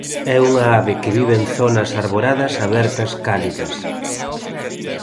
É unha ave que vive en zonas arboradas abertas cálidas.